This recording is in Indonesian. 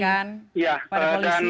kemudian dilaporkan kepada polisi